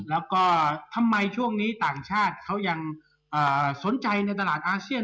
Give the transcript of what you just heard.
แล้วก็ทำไมช่วงนี้ต่างชาติเขายังสนใจในตลาดอาเซียน